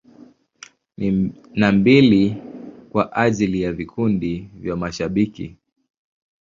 Na mbili kwa ajili ya vikundi vya mashabiki.